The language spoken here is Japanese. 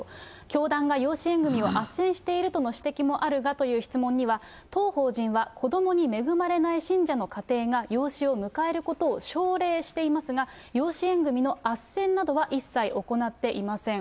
教団が養子縁組をあっせんしているとの指摘もあるがという質問には、当法人は子どもに恵まれない信者の家庭が養子を迎えることを奨励していますが、養子縁組のあっせんなどは一切行っていません。